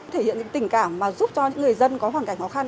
thể hiện những tình cảm mà giúp cho những người dân có hoàn cảnh khó khăn